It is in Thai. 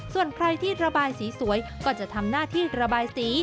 ส่วนใครที่ระบายสีสวยก็จะทำหน้าที่ระบายสี